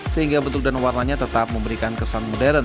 sehingga bentuk dan warnanya tetap memberikan kesan modern